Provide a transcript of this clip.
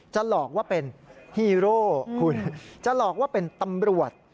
หลอกว่าเป็นฮีโร่คุณจะหลอกว่าเป็นตำรวจ